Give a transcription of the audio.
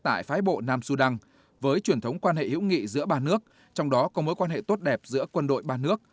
tại phái bộ nam sudan với truyền thống quan hệ hữu nghị giữa ba nước trong đó có mối quan hệ tốt đẹp giữa quân đội ba nước